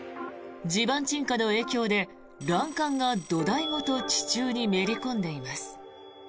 地盤沈下の影響で欄干が土台ごと地中にめり込んでいます。